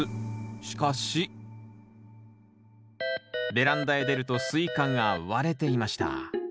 しかしベランダへ出るとスイカが割れていました